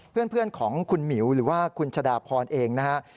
เพื่อนของคุณหมิวหรือว่าคุณชะดาพรเองนะฮะ